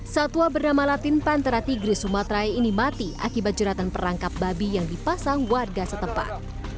satwa bernama latin pantera tigris sumaterae ini mati akibat jeratan perangkap babi yang dipasang warga setempat